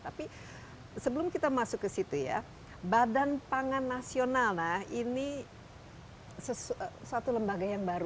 tapi sebelum kita masuk ke situ ya badan pangan nasional ini suatu lembaga yang baru